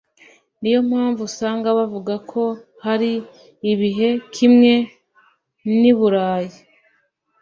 niyo mpamvu usanga bavuga ko hari ibihe kimwe n'iburayi